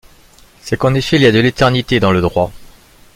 C’est qu’en effet il y a de l’éternité dans le droit.